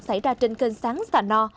xảy ra trên cơn sáng sà no